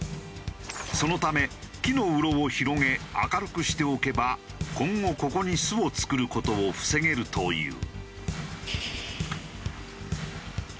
そのため木のうろを広げ明るくしておけば今後ここに巣を作る事を防げるという。